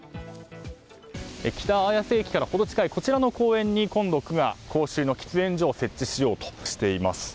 北綾瀬駅からほど近いこちらの公園に今度、区が公衆の喫煙所を設置しようとしています。